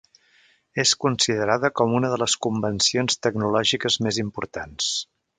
És considerada com una de les convencions tecnològiques més importants.